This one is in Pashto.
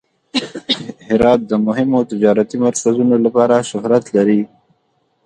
هرات د مهمو تجارتي مرکزونو لپاره شهرت لري.